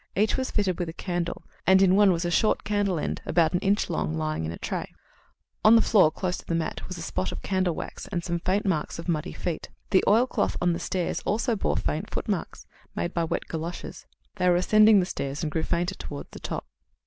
Each was fitted with a candle, and in one was a short candle end, about an inch long, lying in the tray. On the floor, close to the mat, was a spot of candle wax and some faint marks of muddy feet. The oil cloth on the stairs also bore faint footmarks, made by wet goloshes. They were ascending the stairs, and grew fainter towards the top.